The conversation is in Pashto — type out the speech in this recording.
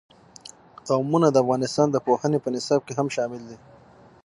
قومونه د افغانستان د پوهنې په نصاب کې هم شامل دي.